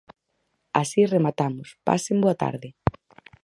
Así rematamos, pasen boa tarde!